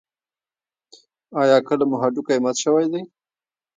ایا کله مو هډوکی مات شوی دی؟